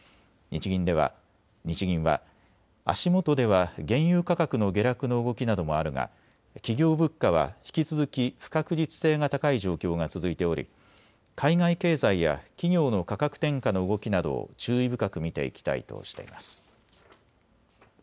日銀は足元では原油価格の下落の動きなどもあるが企業物価は引き続き不確実性が高い状況が続いており海外経済や企業の価格転嫁の動きなどを注意深く見ていきたいとしています。